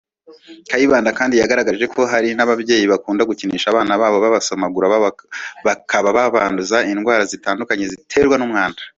Kayibanda kandi yagaragaje ko hari n’ababyeyi bakunda gukinisha abana babasomagura bakaba babanduza indwara zitandukanye ziterwa n’ umwanda